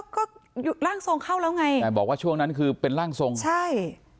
ก็ร่างทรงเข้าแล้วไงแต่บอกว่าช่วงนั้นคือเป็นร่างทรงใช่